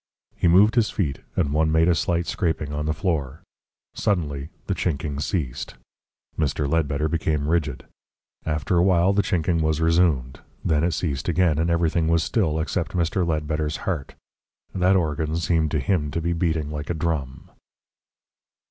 He moved his feet, and one made a slight scraping on the floor. Suddenly the chinking ceased. Mr. Ledbetter became rigid. After a while the chinking was resumed. Then it ceased again, and everything was still, except Mr. Ledbetter's heart that organ seemed to him to be beating like a drum.